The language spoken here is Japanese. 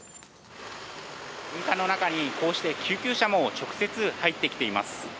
軍艦の中に、こうして救急車も直接入ってきています。